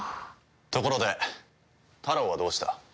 ところでタロウはどうした？